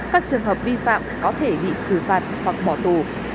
các trường hợp vi phạm có thể bị xử phạt hoặc bỏ tù